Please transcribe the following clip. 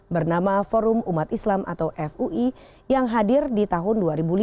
bernama forum umat islam atau fui yang hadir di tahun dua ribu lima